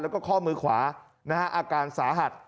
แล้วก็ข้อมือขวาอาการสาหัส